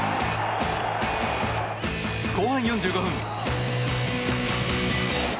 後半４５分。